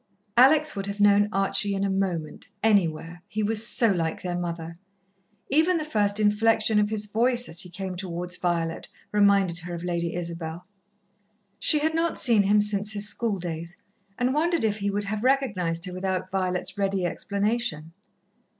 Alex would have known Archie in a moment, anywhere, he was so like their mother. Even the first inflection of his voice, as he came towards Violet, reminded her of Lady Isabel. She had not seen him since his schooldays, and wondered if he would have recognized her without Violet's ready explanation.